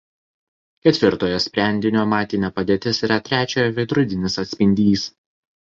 Ketvirtojo sprendinio matinė padėtis yra trečiojo veidrodinis atspindys.